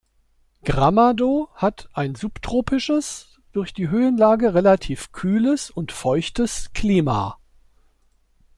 Gramado hat ein subtropisches durch die Höhenlage relativ kühles und feuchtes Klima.